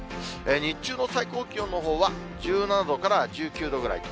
日中の最高気温のほうは１７度から１９度ぐらいと。